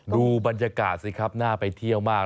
ดูบรรยากาศสิครับน่าไปเที่ยวมาก